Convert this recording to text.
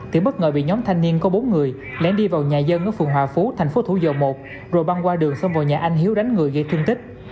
thì bất ngờ bị nhóm thanh niên có bốn người lén đi vào nhà dân ở phường hòa phú thành phố thủ dầu một rồi băng qua đường xông vào nhà anh hiếu đánh người gây thương tích